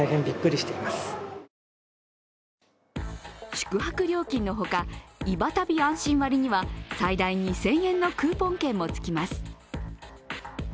宿泊料金のほか、いば旅あんしん割には最大２０００円のクーポン券もつきます。